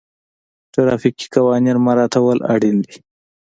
ټرافیکي قوانین مراعتول اړین دي.